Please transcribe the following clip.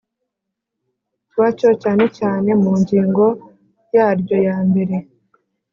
byacyo cyane cyane mu ngingo yaryo ya mbere